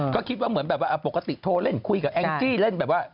ก็คิดว่าเหมือนแบบว่าปกติโทรเล่นคุยกับแองจี้เล่นแบบว่า